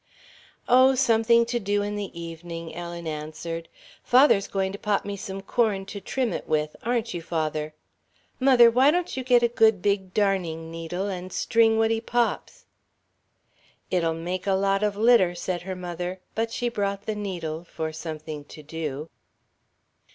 "Oh, something to do in the evening," Ellen answered. "Father's going to pop me some corn to trim it with; aren't you, father? Mother, why don't you get you a good big darning needle and string what he pops?" "It'll make a lot of litter," said her mother, but she brought the needle, for something to do.